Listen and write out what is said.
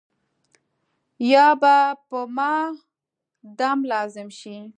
یا به په ما دم لازم شي.